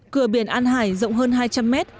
cửa biển an hải rộng hơn hai trăm linh mét